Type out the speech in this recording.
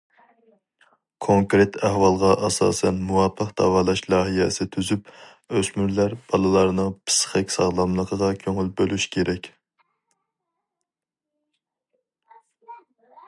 كونكرېت ئەھۋالغا ئاساسەن مۇۋاپىق داۋالاش لايىھەسى تۈزۈپ، ئۆسمۈرلەر، بالىلارنىڭ پىسخىك ساغلاملىقىغا كۆڭۈل بۆلۈش كېرەك.